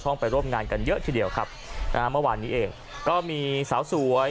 ไปร่วมงานกันเยอะทีเดียวครับนะฮะเมื่อวานนี้เองก็มีสาวสวย